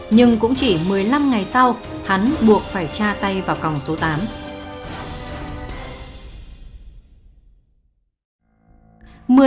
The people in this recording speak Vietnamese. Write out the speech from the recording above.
nhưng cũng chỉ một mươi năm ngày sau hắn buộc phải tra tay vào còng số tám